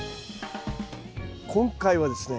今回はですね